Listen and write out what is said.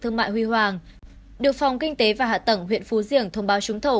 thương mại huy hoàng điều phòng kinh tế và hạ tầng huyện phú diểng thông báo trúng thầu